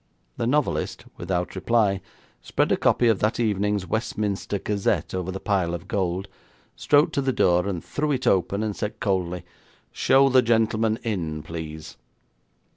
The novelist, without reply, spread a copy of that evening's Westminster Gazette over the pile of gold, strode to the door, threw it open, and said coldly: 'Show the gentleman in, please.'